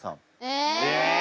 え！